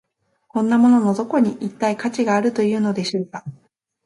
こんなもののどこに、一体価値があるというのでしょうか。